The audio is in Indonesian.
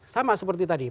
sama seperti tadi